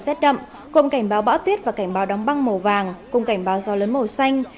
cảnh báo đều giảm mạnh cùng cảnh báo bão tuyết và cảnh báo đóng băng màu vàng cùng cảnh báo gió lớn màu xanh